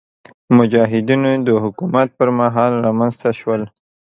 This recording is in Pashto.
مجاهدینو د حکومت پر مهال رامنځته شول.